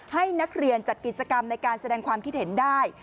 ให้นักเรียนจัดกิจกรรมในการแสดงความคิดเห็นได้